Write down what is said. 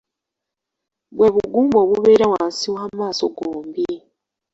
Bwe bugumba obubeera wansi w'amaaso gombi.